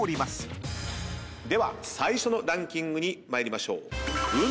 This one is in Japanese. では最初のランキングに参りましょう。